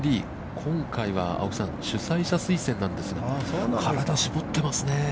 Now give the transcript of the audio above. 今回は、青木さん、主催者推薦なんですが、体、しぼってますね。